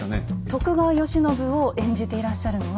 徳川慶喜を演じていらっしゃるのは。